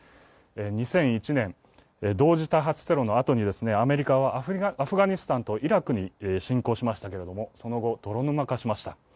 ２００１年、同時多発テロのあとにアメリカはアフガニスタンとイラクに侵攻しましたけれども、その後、泥沼化しました。